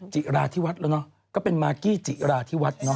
เจี๋ระธิวัฒน์แล้วเนอะเป็นมากี้จิราธิวัฒน์เนอะ